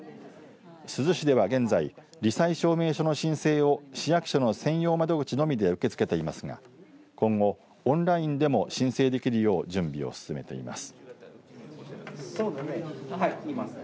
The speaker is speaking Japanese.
珠洲市では現在り災証明書の申請を市役所の専用窓口のみで受け付けていますが今後オンラインでも申請できるよう準備を進めています。